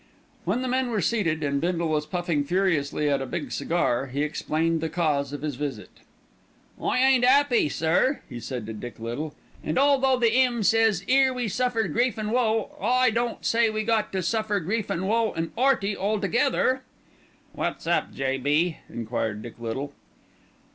When the men were seated, and Bindle was puffing furiously at a big cigar, he explained the cause of his visit. "I ain't 'appy, sir," he said to Dick Little, "and although the 'ymn says ''ere we suffer grief an' woe,' it don't say we got to suffer grief an' woe an' 'Earty, altogether." "What's up, J.B.?" enquired Dick Little.